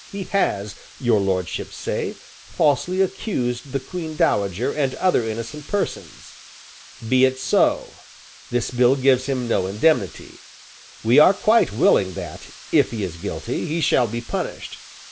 He has, Your Lordships say, falsely accused the Queen Dowager and other innocent persons. Be it so. This bill gives him no indemnity. We are quite willing that, if he is guilty, he shall be punished.